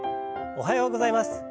おはようございます。